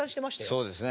そうですね。